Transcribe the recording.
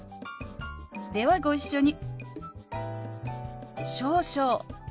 ではご一緒に。